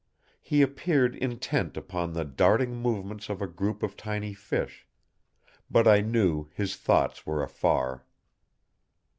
He appeared intent upon the darting movements of a group of tiny fish, but I knew his thoughts were afar.